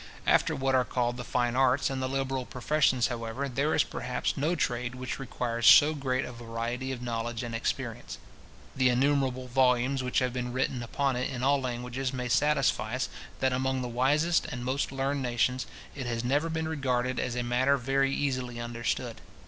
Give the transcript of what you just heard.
After what are called the fine arts, and the liberal professions, however, there is perhaps no trade which requires so great a variety of knowledge and experience. The innumerable volumes which have been written upon it in all languages, may satisfy us, that among the wisest and most learned nations, it has never been regarded as a matter very easily understood.